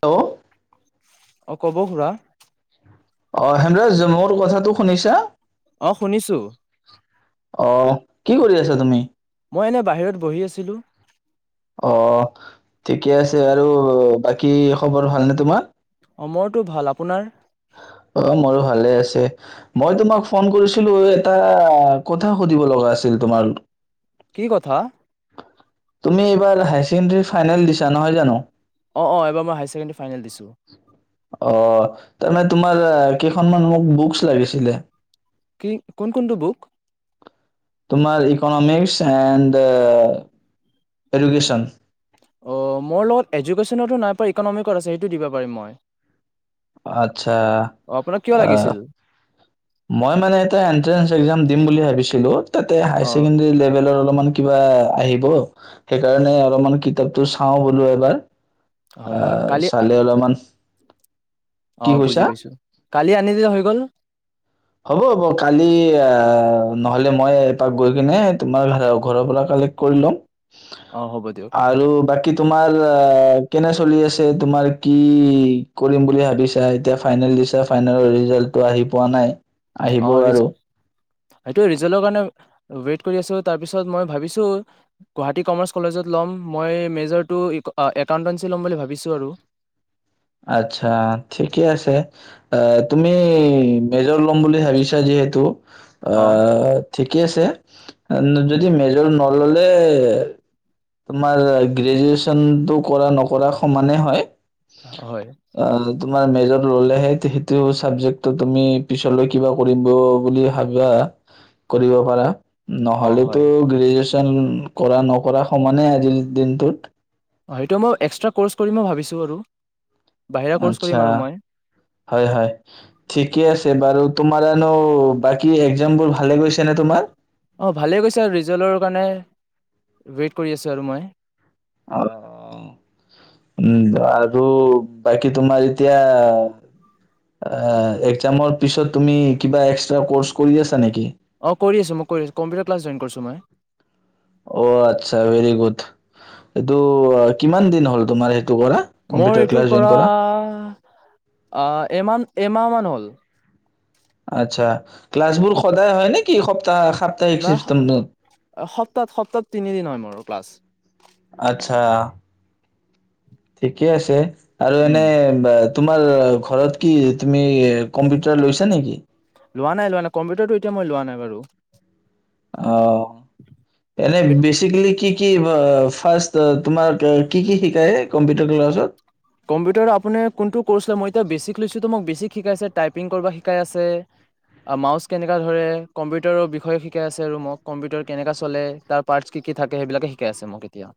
Hello অ', ক'ব খুৰা অ', হেমৰাজ মোৰ কথাাটো শুনিছা? অ', শুনিছোঁ। অ', কি কৰি আছা তুমি? মই এনেই বাহিৰত বহি আছিলো অ', ঠিকে আছে আৰু বাকী খবৰ ভালনে তোমাৰ? অ', মোৰটো ভাল, আপোনাৰ? অ', মোৰো ভালে আছে মই তোমাক ফোন কৰিছিলোঁ, এটা কথা সুধিব লগা আছিল, তোমাৰ কি কথা? তুমি এইবাৰ হায়াৰ ছেকেণ্ডাৰী ফাইনেল দিছা, নহয় জানো? অ অ এবাৰ মই হায়াৰ ছেকেণ্ডেৰী ফাইনেল দিছোঁ অ', তাৰমানে তোমাৰ কেইখন মোক বুকছ লাগিছিলে কি? কোন কোনটো বুক? তোমাৰ ইকনমিক্স এণ্ড এডুকেশ্বন। অ', মোৰ লগত এডুকেশ্যনৰটো নাই পাই, পৰ ইকনমিকত আছে সেইটো দিব পাৰিম মই। আতচ্ছা অ আপোনাক কিয় অ', লাগিছিল মই মানে এটা এণ্ট্ৰেন্স এক্সাম দিম বুলি ভাবিছোঁ [unintelligible] তাতে অ হাইছেকেণ্ডোৰী লেভেলৰ অলমান কিবা আহিব অ সেইকাৰণে অলপমান কিতাপ টো চাওঁ বোলো এবাৰ হয় হয় অ', কালি চালে অলমান অ', বুজি পাইছো কালি আনি দিলে হৈ গ'ল হ'ব, হ'ব, কালি আ, ন'হলে মই এপাক গৈ কিনে তোমাৰ ঘৰৰ পৰা কালক্ট কৰি ল'ম। অ হ'ব দিয়ক আৰু বাকী তোমাৰ আ, কেনে চলি আছে? তোমাৰ কি কৰিম বুলি ভাবিছা? এতিয়া ফাইনেল দিছা, ফাইনেলৰ ৰিজাল্টটো আহি পোৱা নাই। অ আহিবও ৰিজ আৰু সেইটোৱে, ৰিজাল্টৰ কাৰণে ৱেইট কৰি আছোঁ, তাৰপিছত মই ভাবিছোঁ গুৱাহাটী কমাৰ্চ কলেজত ল'ম, মই মেজৰটো ইক একাউণ্টেঞ্চি ল'ম বুলি ভাবিছোঁ আৰু আতচ্ছা, ঠিকে আছে, আ, তুমি মেজৰ লম বুলি ভাবিছা যিহেতু অ', ঠিক কে আছে যদি মেজৰ অ', ল'লে তোমাৰ গ্ৰেজুৱেচনটো কৰা নকৰা সমানে হয়। হয়। আ তোমাৰ মেজৰ ল'লে হে, সেইটো চাবজেক্টটো তুমি পিছলৈ কিবা কৰিব বুলি ভাবা, কৰিব পাৰা। অ', হয়। নহ'লেতো গ্ৰেজুৱেচ কৰা নকৰা সমানে আজিৰ দিনটোত অ', সেইটো মই এক্সট্ৰা ক'ৰ্চ কৰিম মই ভাবিছোঁ আৰু। বাহিৰা ক'ৰ্চ কৰিম আতচ্ছা আৰু মই। হয়, হয় ঠিকে আছে বাৰু তোমাৰ আৰু বাকী এক্সাম বোৰ ভালে গৈছে নে তোমাৰ? অ', ভালে গৈছে আৰু ৰিজাল্টৰ কাৰণে ৱেইট কৰি আছোঁ আৰু মই। অ', উম, আৰু বাকী তোমাৰ এতিয়া আ, একজামৰ পিছত তুমি কিবা এক্সট্ৰা কৰ্চ কৰি আছা নেকি? অ', কৰি আছো ম কৰি আছো কম্পিউটাৰ ক্লাছ জইন কৰিছো মই। অ', আতচ্ছা ভেৰি গুড এইটো আ, কিমান দিন হ'ল তোমাৰ? এ মোৰ এইটো কৰা আহ, এমান-এমাহ মান হ'ল। আতচ্ছা ক্লাছ বোৰ সদায় হয়, নেকি? সপ নাহ সপ্তাত, সপ্তাত তিনিদিন হয়, মোৰ ক্লাছ। আতচ্ছা। ঠিকে আছে। আৰু উম, এনে বা তোমাৰ ঘৰত কি তুমি কম্পিউটাৰ লৈছা নেকি? লোৱা নাই লোৱা নাই কম্পিউটাৰটো এতিয়া মই লোৱা নাই বাৰু। অ', এনে বেচিকেলি কি কি বা ফাৰ্ষ্ট তোমাৰ কি কি শিকাই কম্পিউটাৰ ক্লাছত? কম্পিউটাৰৰ আপুনি কোনটো কৰ্চ লয় মই এতিয়া বেছিক লৈছোতো মোক বেছিক শিকাই আছে, টাইপিং কৰবা শিকাই আছে, আ, মাউচ কেনেকা ধৰে, কম্পিউটাৰৰ বিষয়ে শিকাই আছে আৰু মোক কম্পিউটাৰ কেনেকা চলে তাৰ পাৰ্টচ কি কি থাকে সেইবিলাকে শিকাই আছে মোক এতিয়া।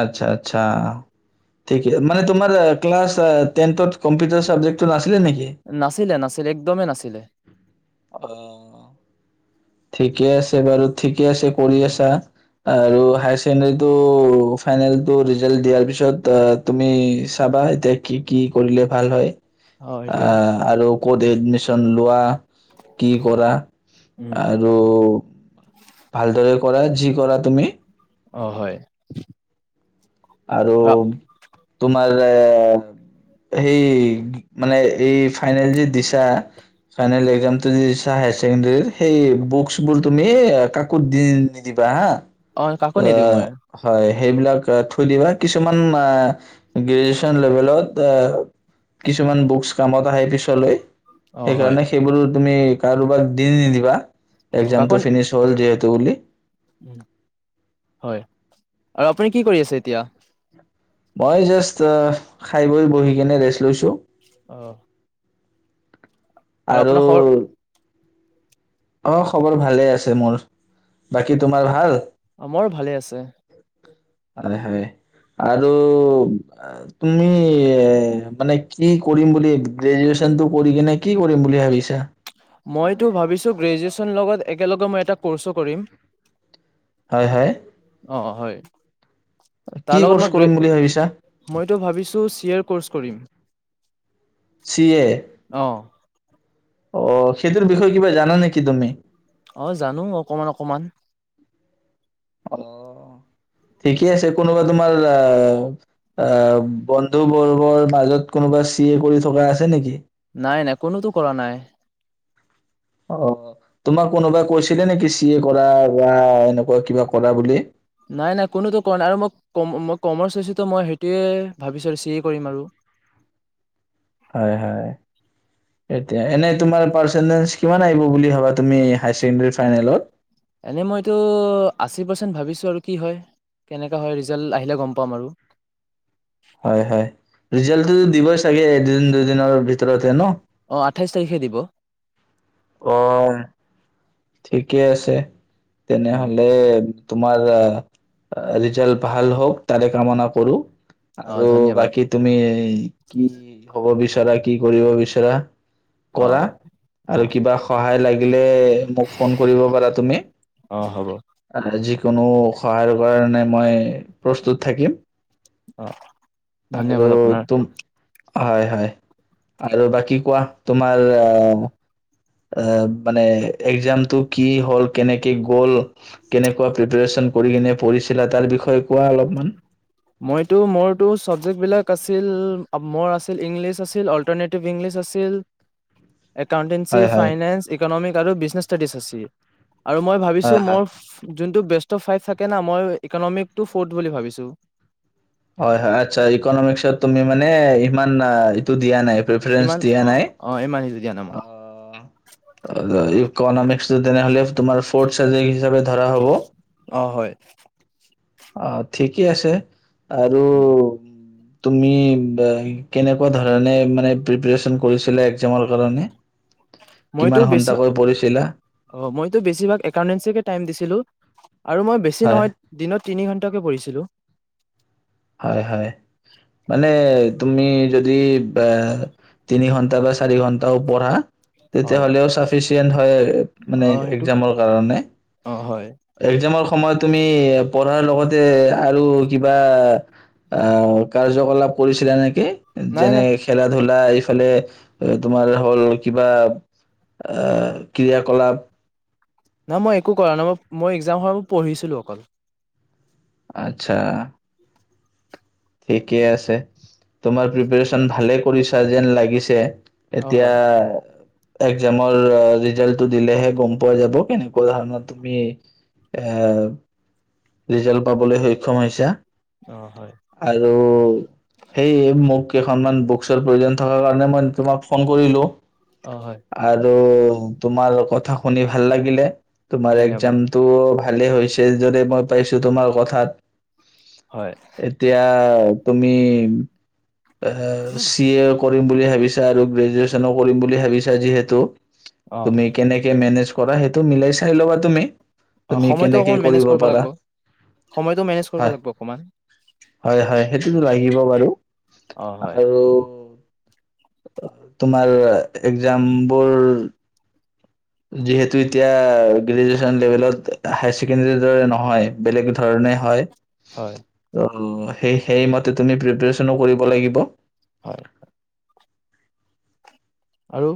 আতচ্ছা আতচ্ছা ঠিকে মানে তোমাৰ ক্লাছ আ, টেনতত কম্পিটাৰ চাবজেক্ট নাছি নাছিলে, নাছিলে, একদমেই নাছিলে। অ ঠিকে আছে বাৰু ঠিকে আছে কৰি আছা আৰু হায় ছেকেণ্ডেৰীটো ফাইনেলটো ৰিজাল্ট দিয়াৰ পিছত, তুমি চাবা এতিয়া, কি কি কৰিলে ভাল হয় অ সেইটোৱে আ- আৰু ক'ত এডমিছ [unintelligible] লোৱা, কি কৰা উম আৰু ভালদৰে কৰা, যি কৰা তুমি। অ' হয়। আৰু অ তোমাৰ [unintelligible] সেই, মানে এই ফাইনেল যে দিছা, ফাইনেল একজামটো যে দিছা হায়াৰ চেকেণ্ডেৰী, সেই বুকচবোৰ তুমি কাকো দি নিদিবা হাঁ। অ', কাকো নিদিওঁ মই। সেইবিলাক থৈ দিবা, কিছুমান আ গ্ৰেজুৱেচন লেভেলত, কিছুমান বুকচ কামত আহে পিছলৈ অ হয় সেইকাৰণে সেইবোৰো তুমি কাৰোবাক দি নিদিবা। অ কাকো একজামটো ফিনিছ হল যিহেত [inaudible] উম। হয়, আ, আপুনি কি কৰি আছে এতিয়া? মই জাষ্ট অ', খাই বৈ বহি কেনে ৰেষ্ট লৈছো। অহ। আৰু অ', খবৰ ভালে আছে মোৰ। বাকী তোমাৰ ভাল? আমাৰো ভালে আছে। হয়, হয় আৰু তুমি মানে কি কৰিম বুলি গ্ৰেজুুৱেচন টো কৰি কিনে কি কৰিম বুলি ভাবিছা? মইতো ভাবিছো গ্ৰেজুৱেচন লগত একেলগে মই এটা ক'ৰ্ছো কৰিম হয় হয়। অ', হয়। কি তাৰ লগত কৰ্চ মই গ্ৰে কৰিম বুলি ভাবিছা? মইতো ভাবিছোঁ চি এৰ কৰ্চ কৰিম। চি এ অ অ', সেইটোৰ বিষয়ে কিবা জানা নেকি তুমি? অ', জানো অকমান অকমান। অ', ঠিকেই আছে। কোনোবা তোমাৰ আ, আ, বন্ধু বৰ্গৰ মাজত কোনোবা চি এ কৰি থকা আছে নেকি? নাই, নাই কোনোটো কৰা নাই। অ', তোমাক কোনোবাই কৈছিলে নেকি? চি এ কৰা বা এনেকুৱা কিবা কৰা বুলি? নাই নাই, কোনোতো কোৱা নাই আৰু মই মই কমাৰ্চ লৈছোত' মই সেইটোৱে ভাবিছোঁ চি এ কৰিম আৰু। হয় হয়। এতিয়া, এনে তোমাৰ পাৰ্চেন্টেজ কিমান আহিব বুলি ভাবা তুমি হায়াৰ ছেকেণ্ডাৰী ফাইনেলত? এনে মইতো আশী পাৰ্চন্ট ভাবিছোঁ, আৰু কি হয় কেনেকা হয়, ৰিজাল্ট আহিলে গম পাম আৰু। হয় হয়, ৰিজালটো দিবই চাগে এদিন দুদিনৰ ভিতৰতে ন? অ', আঠাইশ তাৰিখে দিব। অ'। ঠিকেই আছে। উম, তেনেহলে তোমাৰ ৰিজাল্ট ভাল হওক, তাৰে কামনা কৰোঁ। আৰু অঁ ধন্যবাদ বাকী তুমি কি হ'ব [unintelligible] বিচাৰা কি কৰিব বিচৰা কৰা অঁ আৰু অঁ কিবা সহায় লাগিলে মোক। ফোন কৰিব পাৰা তুমি। অঁ হ'ব [unintelligible] কোনো সহায়ৰ কাৰণে মই প্ৰস্তুত থাকিম। অ'। আৰু তুম হয়, হয় আৰু বাকী কোৱা তোমাৰ আ আ এ এ মানে এক্সামটো কি হ'ল, কেনেকে গ'ল, কেনেকুৱা প্ৰিপাৰেচন কৰি কিনে পঢ়িছিলা তাৰ বিষয়ে কোৱা অলপমান। মইতো মোৰতো চাবজেক্টবলাক আছিল, মোৰ আছিল ইংলিছ আছিল, অল্টাৰনেটিভ ইংলিছ আছিল। একাউণ্টেন্সি, হয় হয় ফাইনেন্স, ইকনমিক্। [unintelligible] বিজনেছ ষ্টাডিছ আছে। আৰু মই ভাবিছোঁ হয় হয় মোৰ। যোনটো বেষ্ট অফ ফাইভ থাকে না, মই ইকনমিক্সতো ফৰ্থ বুলি ভাবিছোঁ। হয়, হয়, আচ্ছা ইকনমিক্সত তুমি মানে। ইমান অ', এইটো দিয়া নাই। প্ৰেফাৰেন্স ইমান দিয়া অ নাই। অ ইমান সিজো দিয়া নাই মই। অ', [unintelligible] ইকনমিক্স টো তেনেহ'লে তোমাৰ ফৰ্থ চাবজেক্ট হিচাপে ধৰা হব। অ', হয়। অ', ঠিকেই আছে। আৰু উম, তুমি, কেনেকুৱা ধৰণে মানে প্ৰিপাৰেচন কৰিছিলা এক্সামৰ কাৰণে মইতো কিমান বেছি, সন্তাকৈ পৰিছিলা? অ মইতো বেছিভাগ একাউন্তেঞ্চিকে টাইম দিছিলো। আৰু মই বেছি হয়, নহয়, দিনত তিনি ঘণ্টাকে পঢ়িছিলোঁ। হয় হয়। মানে তুমি যদি বা তিনি ঘন্টা বা চাৰি ঘন্টাও পঢ়া, তেতিয়া হয়। হ'লে ও সাফিছিয়েন্ত হয় মানে অ সেইটো এক্জামৰ কাৰণে অ হয় এক্জামৰ কা সময়ত তুমি পঢ়াৰ লগতে আৰু কিবা আহ কাৰ্যকলাপ কৰিছিলে নেকি নাই যেনে নাই খেলা ধূলা ফালে এ তোমাৰ হ'ল কিবা, এ ক্ৰিয়া কলাপ নাই মই একো কৰা নাই। মই মই এক্জাম হ'ল পঢ়িছিলো অকল। আচ্ছা। ঠিকেই আছে। তোমাৰ প্ৰিপাৰেচন ভালেই কৰিছা যেন লাগিছে। অ এতিয়া হয় একজামৰ ৰিজাল্টো দিলেহে গম পোৱা যাব, কেনেকুৱা ধৰণৰ তুমি এ ৰিজাল্ট পাবলৈ সক্ষম হৈছা। অ হয়। আৰু সেইয়ে মোক কেইখনমান বুকচৰ প্ৰয়োজন থকাৰ কাৰণে মই তোমাক ফোন কৰিলো। অ হয় আৰু, তোমাৰ কথা শুনি ভাল লাগিলে। তোমাৰ ধন্যবাদ এক্জামটো ভালে হৈছে যদি মই পাইছো তোমাৰ কথাত হয়। এতিয়া তুমি এ' চি এ কৰি কৰিম বুলি ভাবিছা আৰু গ্ৰেজুৱেচনো কৰিম বুলি ভাবিছা যিহেতু। অ তুমি কেনেকে মেনেজ কৰা, সেইটো মিলাই চাই ল'বা তুমি। অ' তুমি সময়টো কেনেকে অকমান মেনেজ কৰিব পাৰা লাগিব, সময়টো মেনেজ কৰিব হয় লাগিব অকণমান। হয় হয়, সেইটোতো লাগিব বাৰু। অ' হয়। আৰু তোমাৰ এগ্জাম্পল যিহেতু এতিয়া গ্ৰেজুৱেশ্যন লেভেলত হায়াৰ ছেকেণ্ডৰীৰ দৰে নহয় বেলেগ ধৰণে হয়। হয়। অ', সেই সেইমতে তুমি প্ৰিপচনো কৰিব লাগিব। হয়, হয়।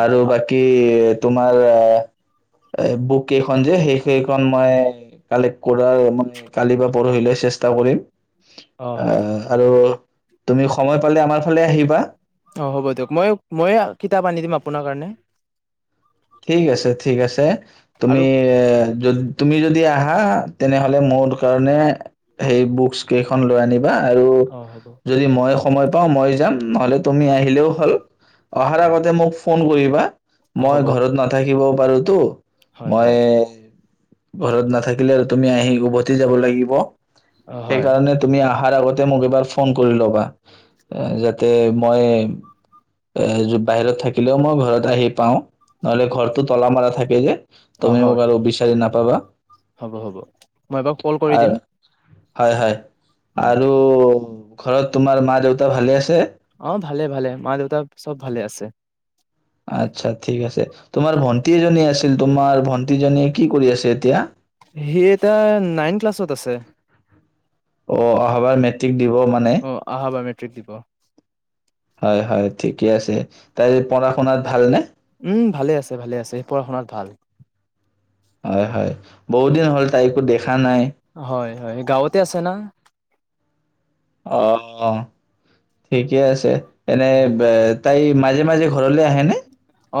আৰু বাকী তোমাৰ এই বুক কেইখন যে, সেইখন মানে কালেক কৰাৰ মানে কালি বা পৰহিলৈ চেষ্টা কৰিম। অ হয় আহ, আৰু তুমি সময় পালে আমাৰ ফালে আহিবা। অ', হ'ব দিয়ক মই ময়ে কিতাপ আনি দিম আপোনাৰ কাৰণে। ঠিক আছে ঠিক আছে। তুমি আৰু এ‌ যদ তুমি যদি আহা তেনেহ'লে মোৰ কাৰণে সেই বুকচ কেইখন লৈ আনিব আৰু অ হ'ব। যদি মই সময় পাওঁ মই যাম নহ'লে তুমি আহিলেও হ'ল। অহাৰ অ আগতে মোক ফোন কৰি [inaudible] অ হ'ব। দিব পাৰোঁতো। হয় মই হয় ঘৰত নাথাকিলে আৰু তুমি আহি উভতি যাব লাগিব। অ হয় সেইকাৰণে তুমি আহাৰ আগত তে মোক এবাৰ ফোন কৰি ল'বা, যাতে মই এ বাহিৰত থাকিলেও মই ঘৰত আহি পাওঁ। নহলে ঘৰটো তলা মাৰা থাকে যে অ' তুমি মোক হয়, আৰু বিচাৰি নাপাবা হ'ব- হ'ব, মই এবাৰ কল কৰি আৰু দিম। হয়, হয়। উম আৰু ঘৰত তোমাৰ মা দেউতা ভালে আছে? অ' ভালে ভালে, মা দেউতা চব ভালে আছে। আতছা ঠিক আছে, তোমাৰ ভন্টি এজনী আছিল, তোমাৰ ভন্টি জনীয়ে কি কৰি আছে এতিয়া? হেই তাই নাইন ক্লাছত আছে। অ', অহাবাৰ মেট্ৰিক দিব মানে অ [unintelligible] হয়, হয় ঠিকে আছে তাই পঢ়া শুনাত ভাল নে? উম, ভালে আছে ভালে আছে সেই পঢ়া শুনাত ভাল হয়, হয় বহুত দিন হ'ল তাইকো দেখ হয়, হয় গাঁৱতে আছে না। অ', ঠিকে আছে। এনে হয় বে তাই মাজে, মাজে ঘৰলৈ আহেনে?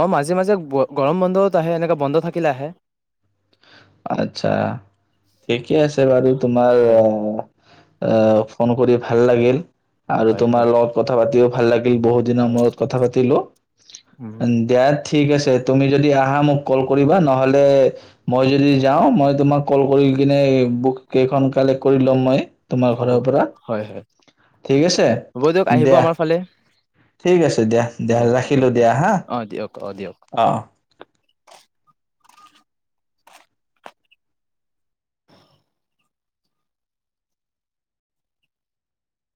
অ মাজে, মাজে গৰম বন্ধত আহে এনেকে বন্ধ থাকিলে আহে। আতছা ঠিকে আছে বাৰু। তোমাৰ হয় আ আহ, ফোন কৰি ভাল লাগিল। আৰু হয় তোমাৰ হয় লগত কথা পাতিও ভাল লাগ বহু দিনৰ হয় মূৰত কথা পাতিলো উম এণ্ড [unintelligible] ঠিক আছে তুমি যদি আহা মোক কল কৰিবা নহ'লে মই যদি যাওঁ মই তোমাক কল কৰি কিনে বুক কেইখন কালেক্ট কৰি ল'ম মই। তোমাৰ হ'ব ঘৰৰ পৰা হয় হয় ঠিক আছে হ'ব দিয়ক আহিব দিয়া আমাৰ ফালে ঠিক আছে দিয়া দিয়া দিয়ক ৰাখিলো দিয়ক দিয়া হা। অ দিয়ক অ' দিয়ক। অ'।